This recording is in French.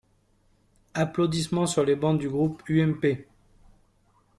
(Applaudissements sur les bancs du groupe UMP.